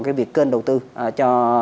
cái việc kênh đầu tư cho